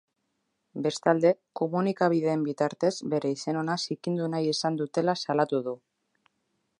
Bestalde, komunikabideen bitartez bere izen ona zikindu nahi izan dutela salatu du.